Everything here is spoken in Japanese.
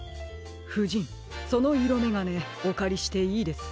ふじんそのいろめがねおかりしていいですか？